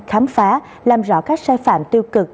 khám phá làm rõ các sai phạm tiêu cực